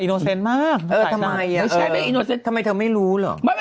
โตโจโหลละ